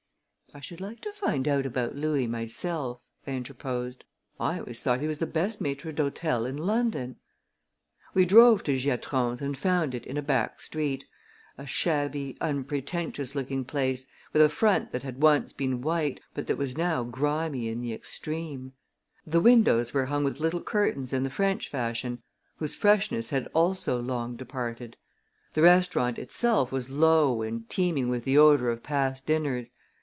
"I should like to find out about Louis myself," I interposed. "I always thought he was the best maître d'hôtel in London." We drove to Giatron's and found it in a back street a shabby, unpretentious looking place, with a front that had once been white, but that was now grimy in the extreme. The windows were hung with little curtains in the French fashion, whose freshness had also long departed. The restaurant itself was low and teeming with the odor of past dinners.